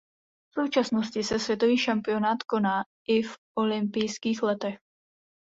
V současnosti se světový šampionát koná i v olympijských letech.